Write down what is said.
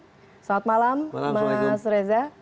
selamat malam mas reza